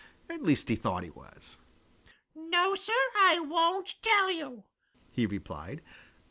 At least he thought he was. "No, Sir, I won't tell you," he replied.